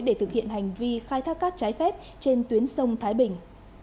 để thực hiện hành vi khai thác cát trái phép trên tuyến sông thái bình